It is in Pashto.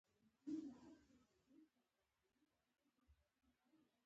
وان هینټیګ له یو ډاکټر سره جرمني ته تللي دي.